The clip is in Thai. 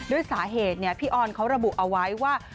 ด้วยสาเหตุพี่ออนเขาระบุเอาไว้ว่า